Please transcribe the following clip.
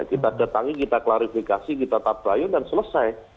kita datangi kita klarifikasi kita tabayun dan selesai